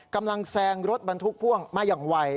กำลังแซงรถบรรทุกพ่วงมาอย่างไว